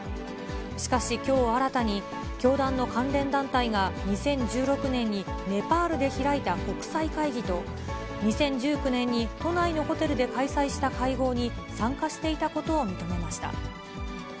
しかしきょう新たに、教団の関連団体が２０１６年にネパールで開いた国際会議と、２０１９年に都内のホテルで開催した会合に参加していたことを認めました。